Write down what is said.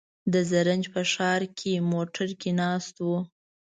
د زرنج په ښار کې موټر کې ناست و.